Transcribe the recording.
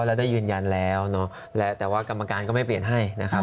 แล้วได้ยืนยันแล้วเนอะแล้วแต่ว่ากรรมการก็ไม่เปลี่ยนให้นะครับ